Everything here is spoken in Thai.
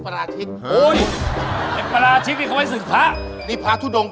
ไม่เล่น